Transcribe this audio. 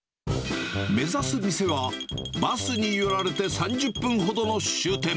目指す店は、バスに揺られて３０分ほどの終点。